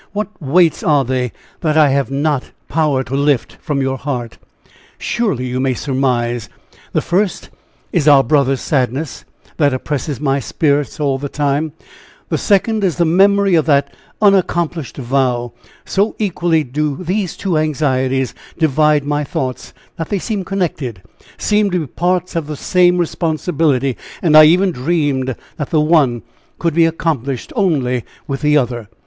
What weights are they that I have not power to lift from your heart?" "Surely you may surmise the first is our brother's sadness that oppresses my spirits all the time; the second is the memory of that unaccomplished vow; so equally do these two anxieties divide my thoughts, that they seem connected seem to be parts of the same responsibility and I even dreamed that the one could be accomplished only with the other."